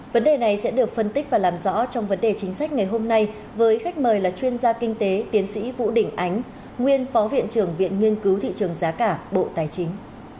vấn đề này sẽ được phân tích và làm rõ trong vấn đề chính sách ngày hôm nay với khách mời là chuyên gia kinh tế tiến sĩ vũ đình ánh nguyên phó viện trưởng viện nghiên cứu thị trường giá cả bộ tài chính